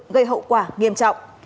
gây hậu quả nghiêm trọng